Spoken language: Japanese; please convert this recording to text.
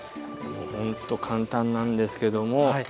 ほんと簡単なんですけども。